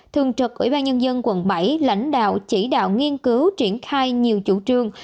thường trực ủy ban nhân dân quận bảy lãnh đạo chỉ đạo nghiên cứu triển khai nhiều chủ trương